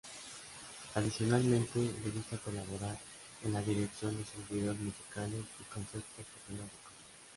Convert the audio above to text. Adicionalmente, le gusta colaborar en la dirección de sus videos musicales y conceptos fotográficos.